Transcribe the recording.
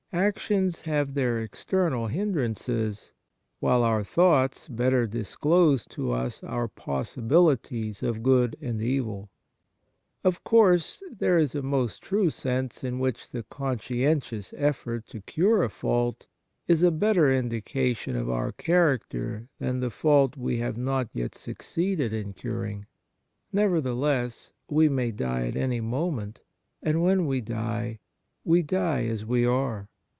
Actions have their external hindrances, while our thoughts better disclose to us our possibilities of good and evil. Of course, there is a most true sense in w^hich the conscientious effort to cure a fault is a better indication of our character than the fault we have not yet succeeded in curing. Nevertheless, we may die at any moment, and when we die we die as we are.